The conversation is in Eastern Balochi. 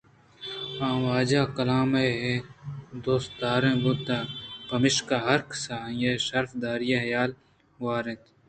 آ واجہ کلام ء ِ دوستدار بوتگ پمشکا ہرکس ءَ آئی ءِ شرف داری ءِ حیال گوٛر اِنت